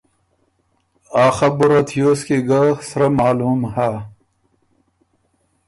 آ خبُره تیوس کی ګۀ سرۀ معلوم هۀ۔